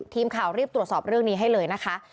ทีมข่าวรีบตรวจสอบเรื่องนี้ให้เลยนะคะ